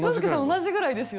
同じぐらいですよ。